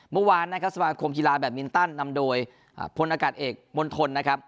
เมื่อวานนะครับสมาคมกีฬาแบบมินตันนำโดยพลอากาศเอกมณฑลนะครับ